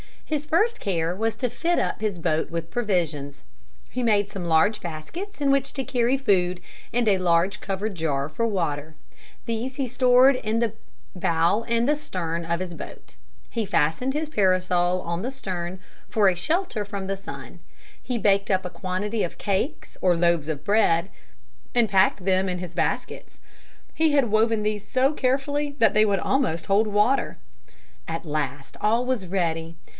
His first care was to fit up his boat with provisions. He made some large baskets in which to carry food and a large covered jar for water. These he stored in the bow and the stern of his boat. He fastened his parasol on the stern for a shelter from the sun. He baked up a quantity of cakes or loaves of bread and packed them in his baskets. He had woven these so carefully that they would almost hold water. At last all was ready.